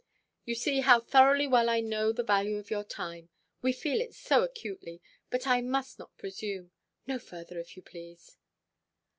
You see how thoroughly well I know the value of your time. We feel it so acutely; but I must not presume; no further, if you please!"